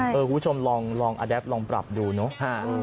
คุณผู้ชมลองปรับดูเนอะ